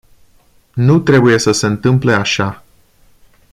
Nu trebuie să se întâmple așa.